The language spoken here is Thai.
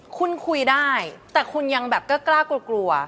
คุณคุยได้แต่คุณยังแบบกล้ากลัวกลัว